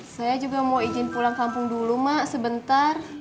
saya juga mau izin pulang kampung dulu mak sebentar